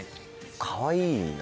かわいいな。